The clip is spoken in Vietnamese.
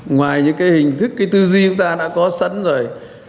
ngoài những hình thức tư duy chúng ta đã có sẵn rồi